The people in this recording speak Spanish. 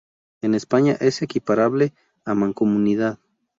En España es equiparable a mancomunidad.